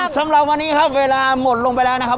สำหรับวันนี้ครับเวลาหมดลงไปแล้วนะครับ